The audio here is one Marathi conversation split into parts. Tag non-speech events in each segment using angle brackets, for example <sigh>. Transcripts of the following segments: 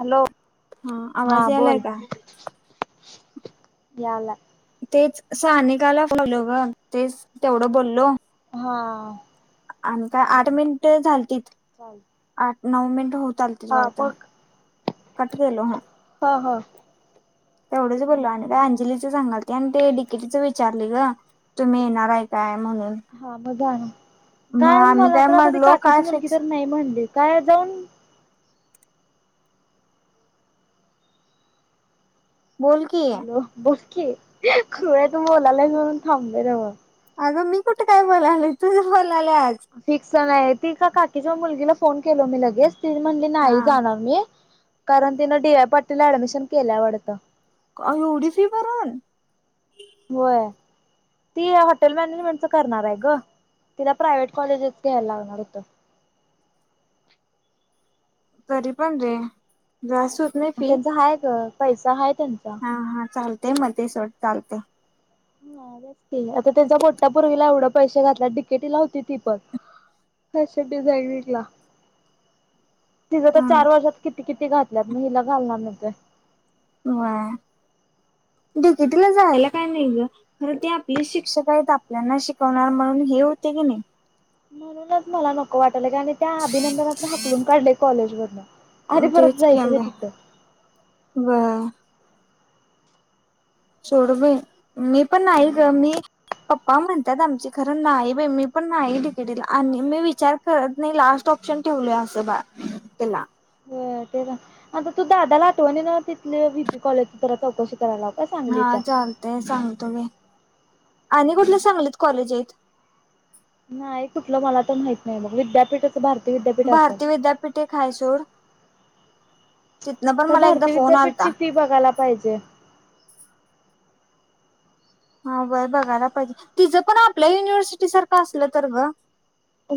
हॅलो! ह हा आवाज यालाय का? यालाय. तेच सानिकाला बोलो ग तेच तेवढं बोललो. हा. आणि काय आठ मिनिट झालतीत, चाल आठ नऊ मिनिट होत लते हा जवडता मग कट देलो ह हा हा <inaudible> तेवढंच बोललो आणि हम्म अंजलीच सांगाल ते आणि ते डिकेटच- विचारली ग तुम्ही येणार काय? म्हणून हा मग मग काय आम्ही मला आ तर आता ती म्हणलो काकीची काय मुलगी फिक्स तर नाही म्हणलीच, काय जाऊन, बोल की हॅलो बोलकी अ खुयात तू बोलाला म्हणून थांबलोय नव. अगं मी कुठे काय बोलाल? तुझ बोला आल्यास. च नाही ती का काकीच्या मुलगीला फोन केल मी लगेच ती म्हणली हा नाही जाणार मी, कारण तिनं डी वाय पाटीला ऍडमिशन केल्या वाडतं, का एवढीसी फी भरून होय ती हॉटेल मॅनेजमेंट च करणार आहे ग. तिला प्रायव्हेट कॉलेजेस घ्यायला लागणार होत. तरी पण रे... जास्- त्यांचा हाय का पैसा हाय. त्यांचा. हा हा चालतेय मध्ये सोड चालतेय. हा बघ की, आता त्यांचा मोठ्या पोरगीला एवढं पैसे घातला टिकेटी ला होती ती पण, अछे ब जागटला <inaudible> तिचं तर हा चार वर्षात किती -किती घातल्यात मग हिला घालणार नाही होय. वय. ह <inaudible> डिकेटीला ला जायला काय नाही ग खरं ते आपली शिक्षक आहेत, आपल्याना शिकवणार म्हणून हे होते, हे नाही. म्हणूनच मला नको वाटवलं त्या अभिनंदनात हकलून काढलेय कॉलेजमधन. आणि परत जायचं होय तिथं? वय. सोड बाई मी पण नाही ग मी पप्पा म्हणतात, आमचे खरं नाही बाई मी पण नाही, तिकेटीला आणि मी विचार करत नाही लास्ट ऑप्शन त्यानं ठेव असं बाळ त्याला. व ते आता तू दादाला आठवणी ना तिथले वहीपी कॉलेज तर चौकशी- कराला का हा सांगलीच्या- चालतय सांगतो मी आणि कुठले सांगलीत कॉलेज आहेत. नाही कुठलं मला तर माहित नाही, मग विद्यापीठचं भारत- भारतीय विद्यापीठ हाय सोड. तिथनं पण का मला एकदा भारतीय फोन आलता विद्यापीठची फी बघायला पाहिजे. हा बय बघायला पाहिजे, तिचं पण आपल्या युनिव्हर्सिटी सारखं असलं तर ग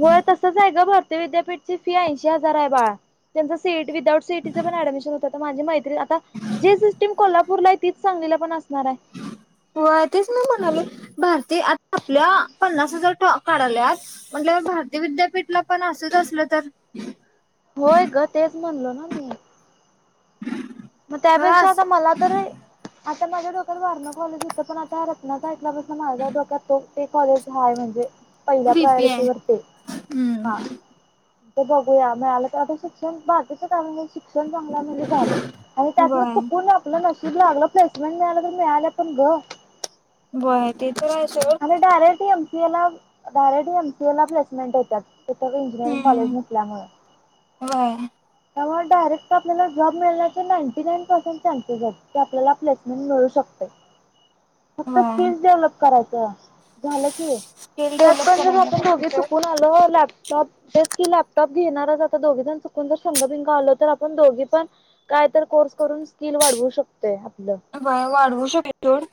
होय तसच आहे गं भरती विद्यापीठची फी ऐंशी हजार आहे, बाळ त्यांच seat- without C A T चा ऑडमिशन होत, माझी मैत्रीण आता जी सिटीम कोल्हापरला आहे, तीच सांगली ला पण असत्या. हो तेच ना मी म्हणाले. भारतीय <unintelligible> आ आपल्या पन्नास हजार काढल्या म्हट भारतीय विद्यापीठला पण असं, असलं तर. होय ग तेच म्हणलो ना मी, मग त्यापेक्षा खलास आता मला तर आता माझ्या डोक्यात वारणा कॉलेज होतं, पण आता रत्नात <unintelligible> स माझा डोक्यात तो ते कॉलेज ह आहे म्हणजे पहिल्या बीपी आहे. प्रायोरिटीवररती हा. हम्म ते बघूया मिळालं तर, आता शिक्षण बाकीच शिक्षण चांगलं म्हणजे झालं, आणि त्यातन व्हय चुकून आपलं नशीब लागलं प्लेसमेंट मिळाला तर मिळाल्यात पण गं. होय ते. तर आहे सोड अर डायरेक्ट एमसीए डायरेक्ट एमसीए ला प्लेसमेंट होत्यात. तेथ इंजिनिअरिंग कॉलेज नसल्यामुळे. होय. त्यामुळे डायरेक्ट आपल्याला जॉब मिळण्याचे नाईंटी नाईन पर्सेंट चान्सेस आहेत की आपल्याला प्लेसमेंट मिळू शकतो. फक्त व्हय स्किल्स डेव्हलप करायचं. झालं की स्किल त्यात डेव्हलप पण जर करायला आपण पाहिजे दोघी सोड चुकून आलो. लॅप टॉप की लॅपटॉप घेणारच आता दोघीजण चुकून जर संगं बिंग ग आलो तर आपण दोघी पण काय तर कोर्स करून स्किल वाढवू शकतोय आपलं वाढवू शकले जोड?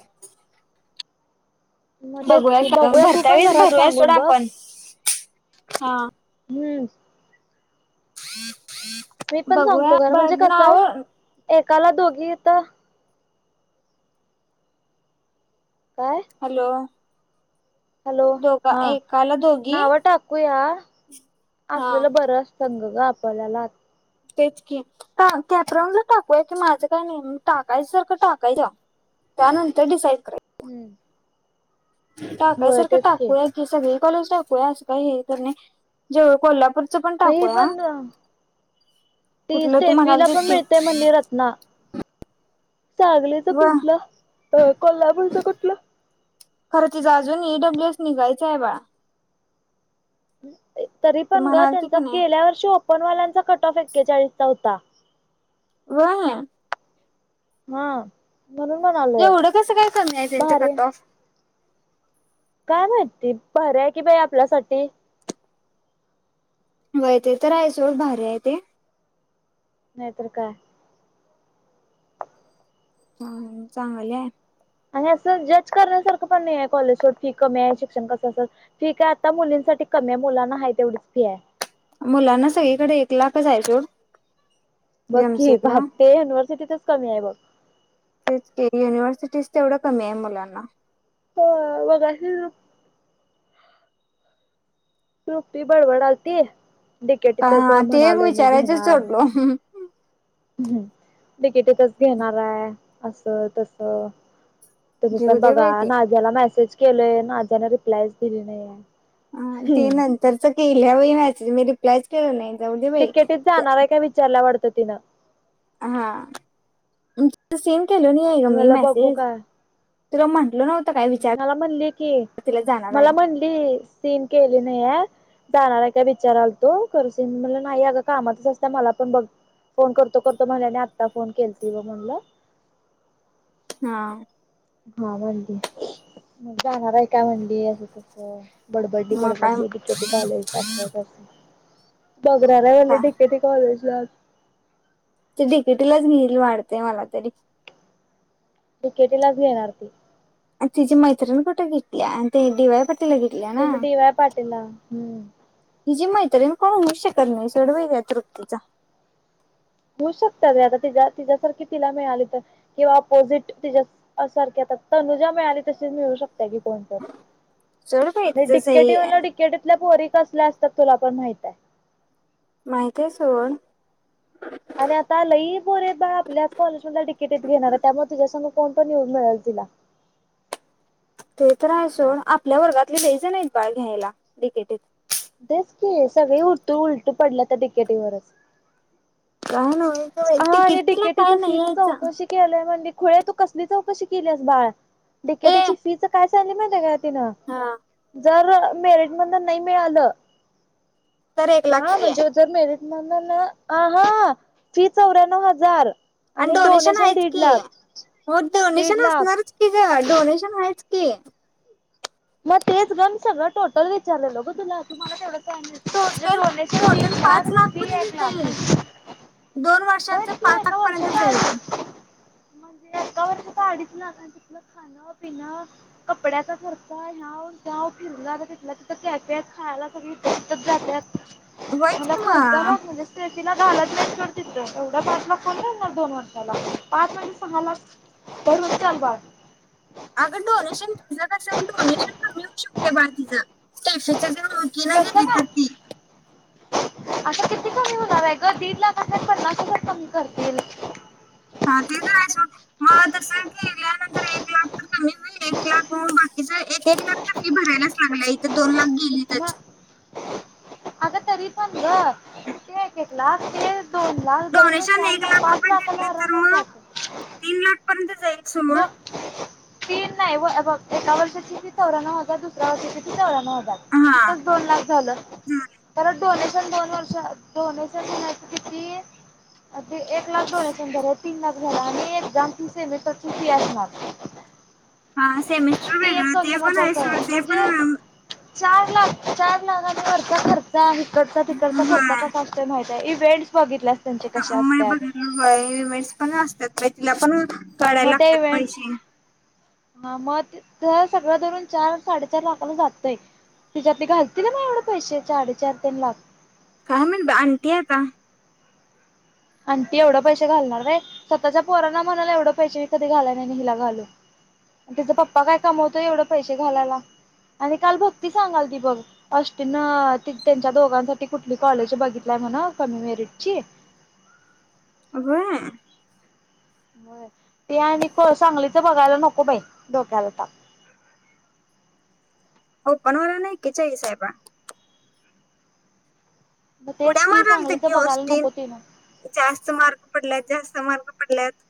मग तेच की बघूया तू भरता पण वेळेस घरात भरूया सोड सांगून बघ. आपण हा हम् मी पण बघूया बर नाव काल दोघी तर काय हॅलो हॅलो दोघा हा एकाला दोघी नावं टाकूया हा असलेला बर असतं ग आपल्यालात तेच की, कॅप राऊंडला टाकूया की माझं काय नहीे, टाकायचसारखं टाकायच. कानून ते डिसाईड कर. हम्म होय टाकासारखं तेच टाकूया की, सगळी कॉलेज टाकू या. असं काही हे तर नाही जेवळ कोल्हापूर अई पण ती कुठलं तू म्हणाल स्टेफीला तेच पण की मिळतेय म्हणली रत्ना. सांगलीचं व कुठलं? कोल्हापूरच कुठलं? खरं तिचं अजून ईडब्ल्यूएस निघायच आहे बाळा. तरी ती पण ग म्हणाल ती त्यांचा की नाही गेल्या वर्षी ओपनवाल्यांचा कट ऑफ एक्केचाळीस चौथा <unintelligible> हा म्हणून म्हणालोय एवढं कसं काय कमी आहे त्यांचं भाराय्या कट ऑफ काय माहिती भारी हाय की बाई आपल्यासाठी होय ते तर आहे सो भारी आहे ते. नाहीतर काय? हं चांगल हाय आणि असं जज करण्यासारखं पण नाही कॉलेज शो फी कमी आहे शिक्षण कसं असं फी काय आता मुलींसाठी कमी्या मुलांना हाय तेवढीच फी आहे. मुलांना सगळीकडे एक लाखच हाय सोड. बघ की एमसीए ला <unintelligible> ते युनिव्हर्सिटीतच कमी आहे. बघ तेच युनिव्हर्सिटीचं ते एवढं कमी आहे मुलांना. होय मगाशी टुपी बडबड आलती डिकेटी तस हा ते एक म्हणालोय मी विचारायचंच घेणार सोडलो. हम् तिकीटी कसं घेणार आहे, असं तसं तुम्ही घेऊ पण दे बघा बाई ते. नाझ्याला मेसेज केलंय, नाझ्याने रिप्लायच दिली नाहीय. ते नंतरचं केल्या वेळी मॅसेज, मी रिप्लायच केलं नाही. जाऊ दे बाई. तिकेटीत जाणार आहे का विचारलाय वाटतं तिनं. हा मी फक्त सेन केलो नाही आहे गं मी मेसेज. रमण हम् मला म्हणली कि, तिला जाणार आहे मला म्हणली सीन केली नाहीय जाणार आहे काय विचारालतो तो करसे म्हणलं नाही अगं कामाचच असतं मला पण बघ फोन करतो करतो म्हणल्याने आता फोन केलती गं म्हणलं हा हा म्हंणली जाणार आहे का? म्हंणली असं तसं बडबडली मग काय बडबडली बीकेटी कॉलेज असं तसं. बगराला का म्हणले केटी कॉलेजला ते तिकेटीलाच मल वाढतेय मला तरी तिकेटीलाच घेणार ती तिचीी मैत्रिणी कुठे घेतली आणि ते दिवा प तन डी वाय पाटला हम्म हिचीी मैत्र्रीण कोण होऊ शकत नाही सडवई या तृप्तीचा होऊ शकत र आता त तिच्यासारखी तिला मिळाली तर किंवा पोजिट तिच्या सारख सत्तानुजा मिळाली तशी मीळऊ शको कोणतेट सोड बाई तिचं सही म्हणलेटीत पोरी कसल्या असतात तुला पण माहित आहे माहित आहे सण आणि आता आ लई बोर बा आपल्याच कॉलेज मधल्या तिकीटेत घेणार त्यामुळे तुझ्यासमून कोणत न्यूज मिळेलते हा ते तर्र असण आपल्या वर्गातले बहीजण आहेत बाळ घ्यायला विकेटीत तेच क सगळे उलटू उलटू पडलं तर तिकेटीवरच काण हा आणि तिकेटीच फीच चौकशी केलंय म्हण खोळे तू कसली चौकशी केलीस बाळ ए तिकेटाची फीच काय चालली म हा जर मेरिट म नाही मिळालं तर एक लाख हा फी आहे म्हणजे जर मेरीत म्ह ना आ हा फी चौऱ्याण्व हजार आणि डोनेशन आहेच की हो दीड डोनेशन लाख असणारच की ग डोनेशन आहेच क मग तेच गम सग टोटल विचारलेल ब तुलाला ज टोटल डोनेशन टोटल बाद पाच लाख फ पर्यंत आहे तेलाख जाईल. दोन वर्षाच पाच आक पर्यंत जाईल अडीच म्हणजे एका वर्ष पाडीच ना कारण तिथलं खाणं पिणं कपड्याचा सारख ह्या फिरणार तिथला तिथं त्याचे खायला सगळी जाते होयच म्हला कि खर्चा मग भाग म्हणजे ति घालत नाही कर त एवढा पाच लाख कोण राणार दोन वर्षाला पाच म्हणजे सहा लाख परवतलवा अग डोनेशन तु कस डोनेशन कऊ शकते बाकीचा्ट कसं केनगली काय सती आता किती कमी होणार आहे ग दीड लाख अस पन्नास रुप कमी करतील हा ते तर आहे सोड मग तसं केल्यानंतर एक लाख तर कमी कमी एक लाख होऊन बाकीच एक एक लाख तर फी भरायलाच लागला इथे दोन लाख गेली तर ह ग ते केला ते दोन लाख जवळ जवळ डोनेशन चार एक लाख पाच रुपये लाखाला घेतले तर आरामात मग जातो तीन लाख पर्यंत जाईल सोड दोन तीन नाही एका वर्षाचीतीिथ होरा न होता दुसरा वर्षा तिचा होरा हजार हा तिथच दोन लाख झालं परत डोनेशन दोन वर्ष डोनेशन देण्या किती ते एक लाख जो सं तीन लाख झाला आणि एक जा तिसे मटर किती लाख हा सेमिस्टर ती एक वेगळं ते पण आहे दोंदनाताच सोड ते म्हणजे पण चार लाख चार लाखांच्या वरचा खर्चा इिकडचा तिकडचा खर्चा कसा असतय माह आहे इव्हेंट् म बघ मिेटस पण असतात तिला पण कढयला मग ते लागतात इव्हेंट पैसे हा मग सगळं धरून चार साडेचार लाखाला जातंय तिच्यातती घालतील ना मग एवढे पैसे साडेचार त्यांन लागत काय म्हणत आंटी आता आण ती एवढं पैसे घालणार रे स्वतःच्या पोरांना म्हणाला एवढे पैसेी कधी घाला नाही हिला घालू तिचा पप्पा काय कमवतोय एवढं पैसे घालायला. आणि काल भक्ती सांगाल ती बघ अष्टीन त्यांच्या दोघांसाठी कुठली कॉलेज बघितलय हो ना कमी मेरीटची. अगम ते आणि सांगलीच बघायला नको बाई डोक्याला ताप. <inaudible> हो. पनवेला नाही एकेचाळीस आहे बा. मग तेच उड्या की मारालालती सांगलीच की बघायला हॉस्टेल नको तिन जास्त मार्क पडले जास स मार्क पडल्यात.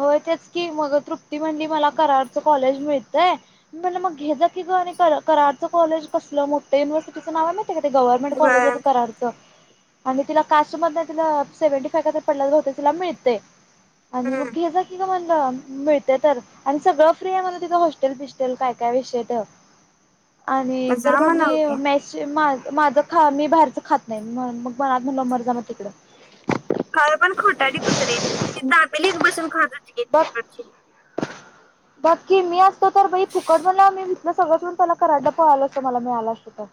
होय. तेच की मग तृप्ती म्हनली मला कराडच कॉलेज मिळतय मी म्हनलं मग घे जा की.. आणि क कराडरचं कॉलेज कसलं मोठ युनिव्हर्सिटचं नाव आहे गव्हर्मेंट कॉलेज आहे हम्म कराडचं. आणि तिला कास्ट म तिला सेव्हंटी फाय पडल्यात बहुतेक तिला मिळतय आणि मग जा घे का की म्हणल मिळते तर आणि सगळं फ्री आहे म्हण तिथं हॉस्टेल बिस्टेल काय काय विषयत आणि तर जा म्हणाव म्हणली की मेसे मा माझं खा मी बाहेरचं खात नाही. म मग मनात म्हणलं मरजा म तिकडं. काल पण खोटाडी <unintelligible> ते दाबेली एक बसून खात हो ग काय ची. बाकी मी असतो तर बई फुकट मला मी हीतलं सगळं सोडून त्याला कराडला पळालो असतो मला मिळालं असत तर.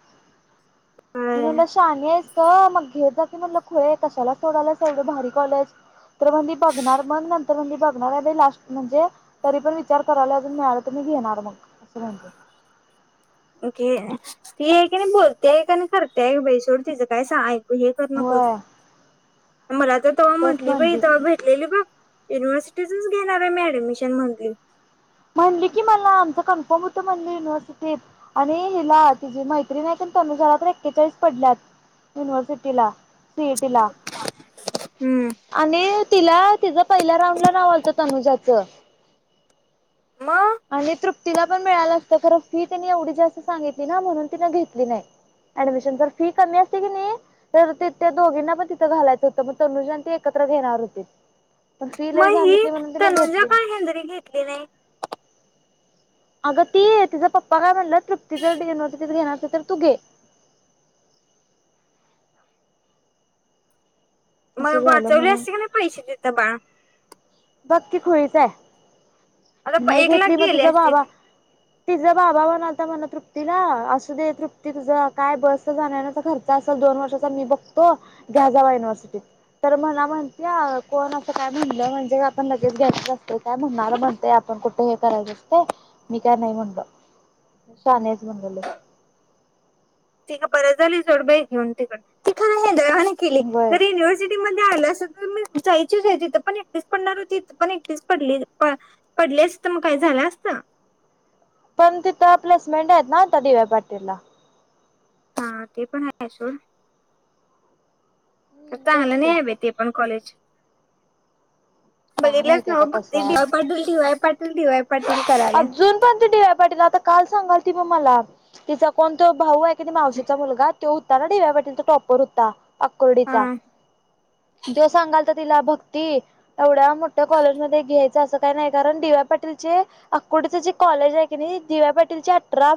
म होय म्हनल शानिस हाय त मग घेेत जा म्हटलं खुळे कशाला सोडायला एवढं भारी कॉलेज. तर म्हणी बघणार मग नंतर म्हणी बघणार हे ब ईलास्ट म्हणजे तरी पण वि विचार करायला अजून मिळालं तर मी घेणार, मग असं म्हणते. ओके. ती हे कनी बोलत्या एक आणि करत्या एक बाई सोड तिचं काय स य तर नकोच. होय मला तर तेव्हा तेच म्हटली बई म्हणली ते भेटलेली बघ युनिव्हर्सिटीतच घेणार आहे मी ऍडमिशन म्हनली. म्हणली की मला आमच कन्फर्म होत म्हणली युनिव्हर्सिटीत आणि हिला तिची मैत्री नाही त्या नुसार तर एक्केचाळीस पडल्यात युनिव्हर्सिटीला. सिईटिला हम्म आणि तिला तिझं पहिल्या राऊंड ला नाव आलत तनुजाचं. मग आणि तृप्तीला पण मिळाला असतं खरं फी तिने एवढी जास्त सांगितली ना म्हणून तिन घेतली नाही. ऍडमिशन जर फी कमी असते की, नाही तर त त्या दोघीना प तिथं घालायच होतं मग तनुजान ती एक घेनार होते पण फी लय मग ही सांगितली म्हणून तीन तनुजा घेतली का नाही. हेंद्री घेतली नाही अगं ती तीच पप्पा काय म्हणलं तृप्ती जर युनिव्हर्सिटी घेणार तर तू घे. मग असं झालं वाचवले म्हणून असते की नाही पैसे तीत बाळ. बग की खुळीच आहे. आता नाही एक लाख घेतली मग त गेले असते जबावा तीज बाबा वन आता मला तृप्तीला असू दे तृप्ती तुझं काय बसच जाण्याऐण्याचा खर्च असल दोन वर्ष तसं मी बघतो घ्या जावा युनिव्हर्सिटीत तर मला म्हणत्या कोण असं काय म्हणलं म्हणजे का आपण लगेच घ्यायचं असत काय म्हणणार म्हणतेय आप पण कुठे हे करायचं मी काय नाही म्हणल शानि आहेस म्हणल. <inaudible> ती परत झाली सोडबाई घेऊन तिकड ती खर <unintelligible> केली व्हय जर युनिव्हर्सिटीमध्ये आल्या <inaudible> जायचीच आहे. तिथं पण एकटच पडणार होती, पण एकटच पडली प पडलीस तर मग काय झालं असत. पण तिथ प्लेसमेंट आहेत ना डी. वाय. पाटील ला. हा ते पण आहे सोड. तर तेच चांगलं की नाही ह ब ते पण कॉलेज. काय बघितल्यास माहिती नव आता फक्त कसं डी. आहे Y. Patil, D Y. Patil, D. Y. Patil. करायला अजून पण ते दिव्या पाटील आता काल सांगालती म मला तिचा कोणतो भाऊ आहे कि मावशीचा मुलगा तो होता ना डीवाय पाटील चा टॉपर होता अकोर्डीचा हा त्यो सांगाल तर तिला भक्ती तेवढ्या मोठ्या कॉलेजमध्येध्ये घ्यायचं असं काही नाही कारण दि प्र पाटीलचे अकोडच जे कॉलेज आहे की दिव्या पाटीलचे अठरा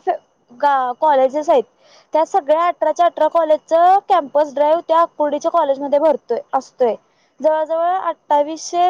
कॉलेजेस आहेत त्या सगळ्या अठराच्या अठरा कॉलेज च कॅ्पस ड्राईव्ह त्या अकुर्डीच्या कॉलेजमध्ये भरतोय असतोय जवळ जवळ अठ्ठावीसशे